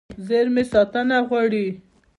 زېرمې ساتنه غواړي.